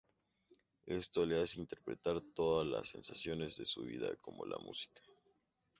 Esto le hace interpretar todas las sensaciones de su vida, como la música.